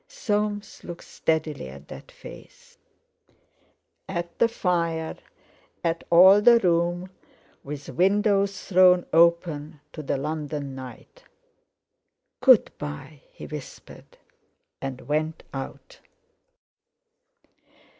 Soames looked steadily at that face, at the fire, at all the room with windows thrown open to the London night. "Good bye!" he whispered, and went out.